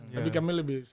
tapi kami lebih